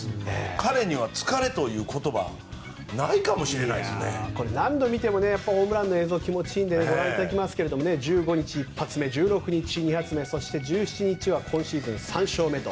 彼には疲れという言葉は何度見てもホームランの映像は気持ちいいのでご覧いただきますけど１５日１発目１６日１発目そして１７日は今シーズン３勝目と。